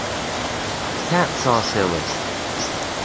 Cats are silly.